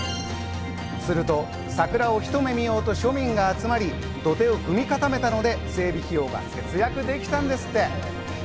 すると桜をひと目見ようと庶民が集まり、土手を踏み固めたので、整備費用が節約できたんですって。